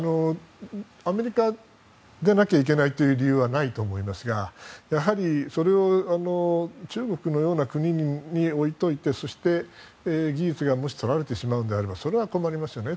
アメリカじゃなきゃいけないという理由はないと思いますがやはり、それを中国のような国に置いておいてそして事実がもし取られてしまうのであればそれは困りますよね。